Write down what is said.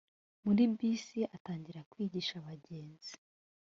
muri bisi atangira kwigisha abagenzi